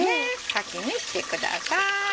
先にしてください。